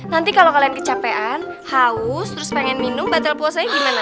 nanti kalau kalian kecapean haus terus pengen minum batal puasanya gimana